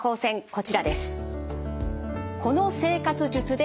こちらです。